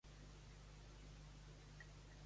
Cadascun dels Walker va construir un edifici.